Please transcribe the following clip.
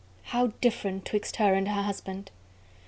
How different 'twixt her and her husband.